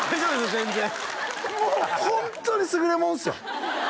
全然もうホントに優れもんっすよ